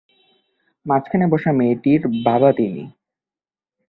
মাঝখানে বসা মেয়েটির বাবা তিনি।